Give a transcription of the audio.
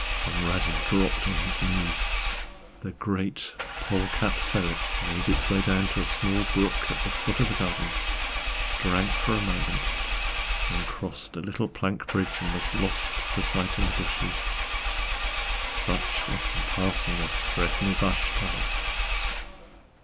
Conradin dropped on his knees. The great polecat ferret made its way down to a small brook at the foot of the garden, drank for a moment, then crossed a little plank bridge and was lost to sight in the bushes. Such was the passing of Sredni Vashtar.